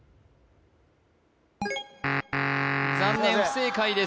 残念不正解です